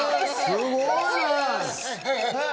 すごいね！